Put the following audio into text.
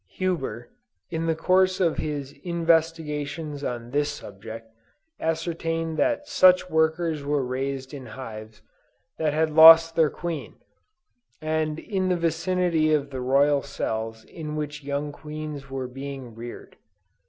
Huber, in the course of his investigations on this subject, ascertained that such workers were raised in hives that had lost their queen, and in the vicinity of the royal cells in which young queens were being reared.